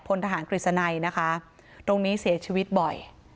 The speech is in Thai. พลทหารกฤษณัยนะคะตรงนี้เสียชีวิตบ่อย